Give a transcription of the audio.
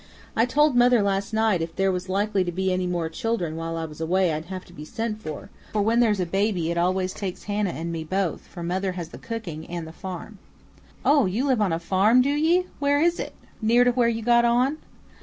I told mother last night if there was likely to be any more children while I was away I'd have to be sent for, for when there's a baby it always takes Hannah and me both, for mother has the cooking and the farm." "Oh, you live on a farm, do ye? Where is it? near to where you got on?"